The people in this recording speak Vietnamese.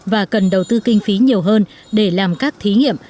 và cần đầu tư kinh phí nhiều hơn để làm các thí nghiệm